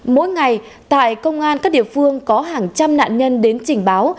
mỗi ngày tại công an các địa phương có hàng trăm nạn nhân đến trình báo